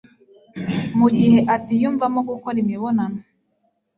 mu gihe atiyumvamo gukora imibonano